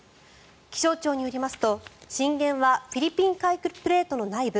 気象庁によりますと、震源はフィリピン海プレートの内部